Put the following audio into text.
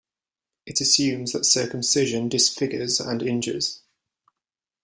It assumes that circumcision disfigures and injures.